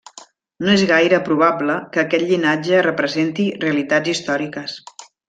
No és gaire probable que aquest llinatge representi realitats històriques.